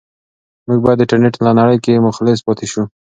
موږ باید د انټرنيټ په نړۍ کې مخلص پاتې شو.